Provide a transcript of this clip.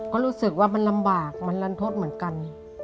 ก็รู้สึกว่ามันลำบากมันรันทดเหมือนกัน